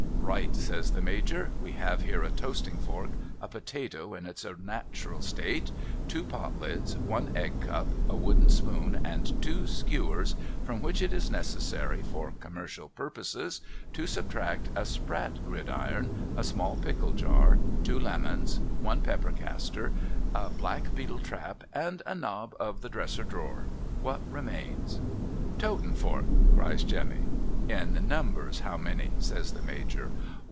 ' Right,' says the Major. ' We have here a toasting fork, a potato in its natural state, two potlids, one egg cup, a wooden sjwon, and two skewers, from which it is necessary for commercial purposes to subtract a sprat gridiron, a small pickle jar, two lemons, one pepper castor, a blackbcetle trai>, and a knob of the dresser drawer — what remains ?' THE MAJOR AND HIS PUPIL 345 * Toatin fork !' cries Jemmy. ' In numbers how many ?' says the Major.